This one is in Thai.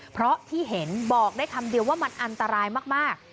เพราะที่เห็นบอกได้คำเดียวว่ามันอันตรายมาก